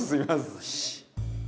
よし！